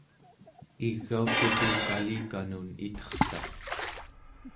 igaulluku kalikanun itertaq